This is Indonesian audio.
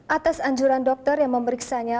atas anjuran dokter yang memeriksanya